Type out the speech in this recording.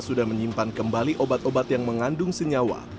sudah menyimpan kembali obat obat yang mengandung senyawa